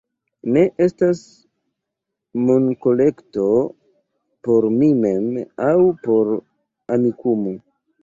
Ne estas monkolekto por mi mem aŭ por Amikumu